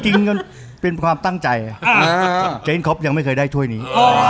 ก็เป็นความตั้งใจเจ๊นครบยังไม่เคยได้ถ้วยนี้